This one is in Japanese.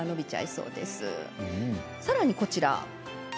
さらに、こちらです。